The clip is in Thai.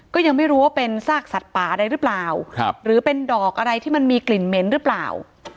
ก็ยังไม่รู้ว่าเป็นซากสัตว์ป่าอะไรหรือเปล่าหรือเป็นดอกอะไรที่มันมีกลิ่นเหม็นหรือเปล่า